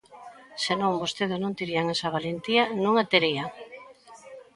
Se non, vostedes non terían esa valentía, non a terían.